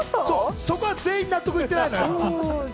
そこは全員納得いってないのよ。